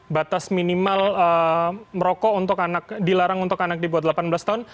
batas minimal rokok untuk anak dilarang untuk anak di bawah delapan belas tahun